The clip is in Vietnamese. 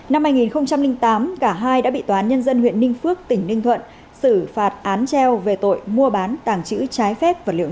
năm hai nghìn tám cả hai đã bị tòa án nhân dân huyện ninh phước tỉnh ninh thuận xử phạt án treo về tội mua bán tàng trữ trái phép vật liệu nổ